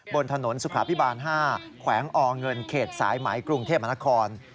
บนถนนสุขาพิบาล๕แขวงอเงินเขตสายไหมกรุงเทพมนาคม